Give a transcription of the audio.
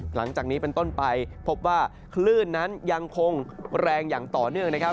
หลังจากนี้เป็นต้นไปพบว่าคลื่นนั้นยังคงแรงอย่างต่อเนื่องนะครับ